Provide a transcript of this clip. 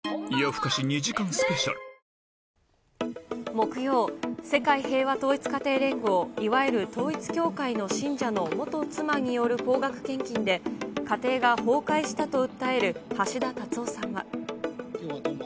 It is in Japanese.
木曜、世界平和統一家庭連合、いわゆる統一教会の信者の元妻による高額献金で、家庭が崩壊したと訴える橋田達夫さんは。